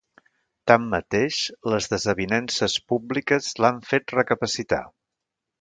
Tanmateix, les desavinences públiques l’han fet recapacitar.